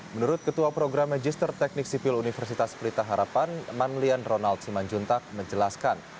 menurut ketua program magister teknik sipil universitas pelita harapan manlian ronald simanjuntak menjelaskan